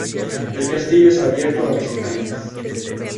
El castillo es abierto a visitantes.